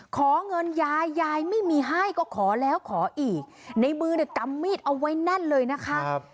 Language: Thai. ขอเงินยายยายไม่มีให้ก็ขอแล้วขออีกในมือเนี่ยกำมีดเอาไว้แน่นเลยนะคะ